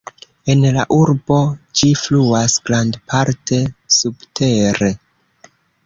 En la urbo ĝi fluas grandparte subtere.